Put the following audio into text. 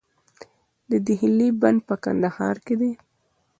د دهلې بند په کندهار کې دی